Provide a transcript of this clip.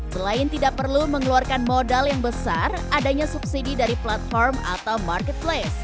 selain tidak perlu mengeluarkan modal yang besar adanya subsidi dari platform atau marketplace